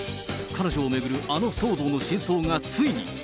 彼女を巡るあの騒動の真相がついに。